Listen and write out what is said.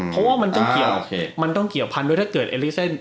เพราะว่ามันต้องเกี่ยวพันธุ์ด้วยถ้าเกิดเอลิกเซ็นต์